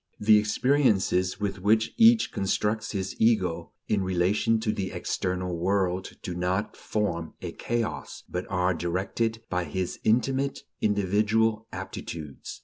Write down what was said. The "experiences" with which each constructs his ego in relation to the external world do not form a chaos, but are directed by his intimate individual aptitudes.